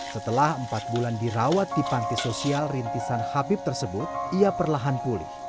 setelah empat bulan dirawat di panti sosial rintisan habib tersebut ia perlahan pulih